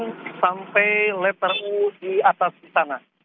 gentong sampai letter u di atas sana